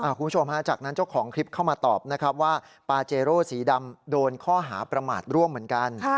คุณผู้ชมฮะจากนั้นเจ้าของคลิปเข้ามาตอบนะครับว่าปาเจโร่สีดำโดนข้อหาประมาทร่วมเหมือนกัน